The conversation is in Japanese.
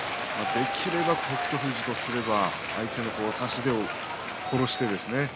できれば北勝富士とすれば相手の差し手を殺してですね